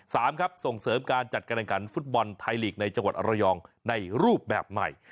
สามครับส่งเสริมการจัดการแข่งขันฟุตบอลไทยลีกในจังหวัดอรยองในรูปแบบใหม่